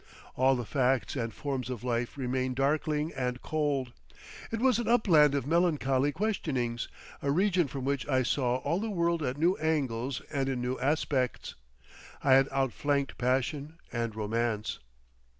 All the facts and forms of life remain darkling and cold. It was an upland of melancholy questionings, a region from which I saw all the world at new angles and in new aspects; I had outflanked passion and romance.